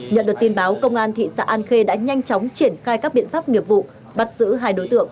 nhận được tin báo công an thị xã an khê đã nhanh chóng triển khai các biện pháp nghiệp vụ bắt giữ hai đối tượng